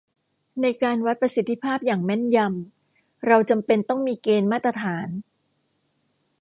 ในการวัดประสิทธิภาพอย่างแม่นยำเราจำเป็นต้องมีเกณฑ์มาตรฐาน